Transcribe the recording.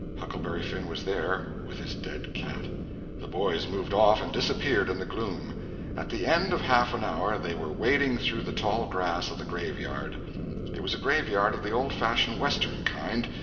Huckleberry Finn was there, with his dead cat. The boys moved off and disappeared in the gloom. At the end of half an hour they were wading through the tall grass of the graveyard. It was a graveyard of the old fashioned Western kind.